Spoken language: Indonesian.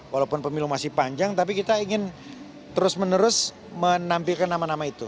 walaupun pemilu masih panjang tapi kita ingin terus menerus menampilkan nama nama itu